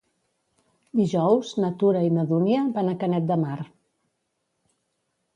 Dijous na Tura i na Dúnia van a Canet de Mar.